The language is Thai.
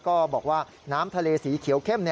ก็บอกว่าน้ำทะเลสีเขียวเข้ม